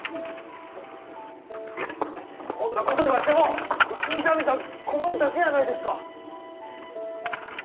ほんなこと言われても宇佐美さん困るだけやないですか！